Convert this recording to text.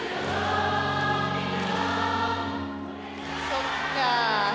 そっかー。